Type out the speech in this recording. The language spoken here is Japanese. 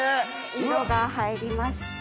色が入りました。